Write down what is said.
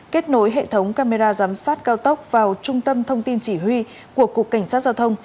kết nối hệ thống camera giám sát cao tốc vào trung tâm thông tin chỉ huy của cục cảnh sát giao thông